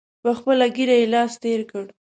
په خپله ږیره یې لاس تېر کړ.